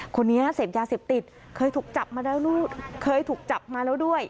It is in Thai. คนนี้เสพยาเสพติดเคยถูกจับมาแล้วด้วย